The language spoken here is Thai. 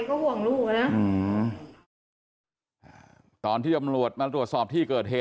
ก็ห่วงลูกอ่ะนะอืมอ่าตอนที่ตำรวจมาตรวจสอบที่เกิดเหตุ